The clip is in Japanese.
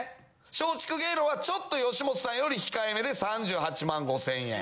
松竹芸能がちょっと吉本さんより控えめで３８万５千円。